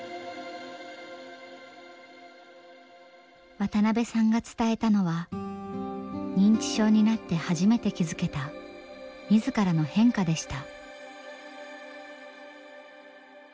渡邊さんが伝えたのは認知症になって初めて気付けた自らの変化でした。